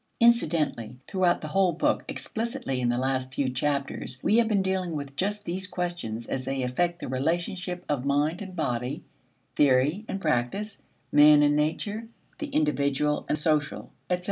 Incidentally throughout the whole book, explicitly in the last few chapters, we have been dealing with just these questions as they affect the relationship of mind and body, theory and practice, man and nature, the individual and social, etc.